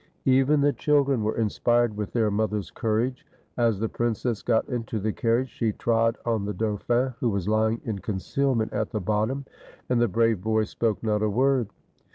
Even the children were inspired with their mother's courage. As the princess got into the carriage she trod on the dauphin, who was lying in concealment at the bottom, and the brave boy spoke not a word.